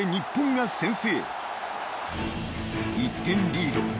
［１点リード。